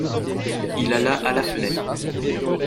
Il alla à la fenêtre.